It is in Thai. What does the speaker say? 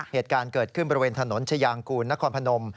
เหตุการณ์เกิดขึ้นบริเวณถนนชายางกูลนครพนม